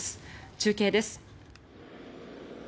中継です。